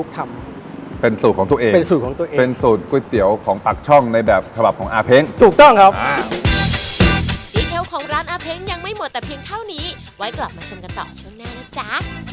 ดีเทลของร้านอาเพ้งยังไม่หมดแต่เพียงเท่านี้ไว้กลับมาชมกันต่อช่วงหน้านะจ๊ะ